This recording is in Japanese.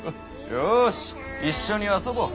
よし一緒に遊ぼう。